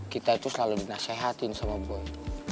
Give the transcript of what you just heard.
kita itu selalu dinasehatin sama boy